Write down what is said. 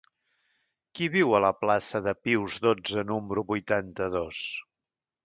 Qui viu a la plaça de Pius dotze número vuitanta-dos?